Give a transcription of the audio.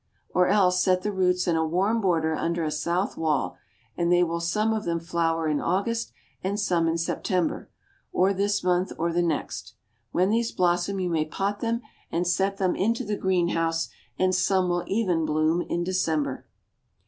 Or else set the roots in a warm border under a south wall, and they will some of them flower in August and some in September, or this month or the next. When these blossom you may pot them and set them into the green house, and some will even bloom in December."